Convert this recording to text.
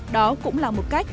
đó cũng là một cách